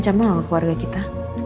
gak bisa dicampur sama keluarga kita